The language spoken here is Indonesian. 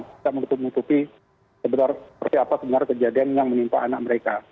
kita menutup menutupi seperti apa sebenarnya kejadian yang menimpa anak mereka